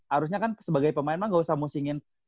harusnya kan sebagai pemain mah gak usah musingin